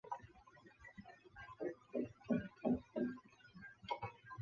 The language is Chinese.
此外端脑还与江苏卫视节目最强大脑跨界合作。